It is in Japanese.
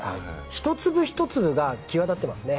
ひと粒ひと粒が際立ってますね。